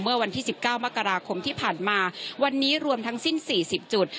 เมื่อวันที่สิบเก้ามกราคมที่ผ่านมาวันนี้รวมทั้งสิ้นสี่สิบจุด